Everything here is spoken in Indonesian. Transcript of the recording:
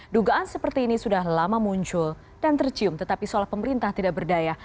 dugaan seperti ini sudah lama muncul dan tercium tetapi seolah pemerintah tidak berdaya